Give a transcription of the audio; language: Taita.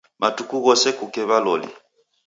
Matuku ghose kuke waloli.